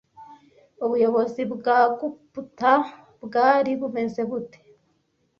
Ubuyobozi bwa Gupta bwari bumeze bute